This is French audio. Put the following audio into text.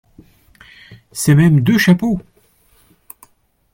C’est même deux chapeaux !